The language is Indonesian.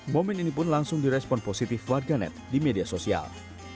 momen ini pun langsung direspon positif warganet di media sosial